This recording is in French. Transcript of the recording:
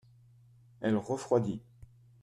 Elle refroidit.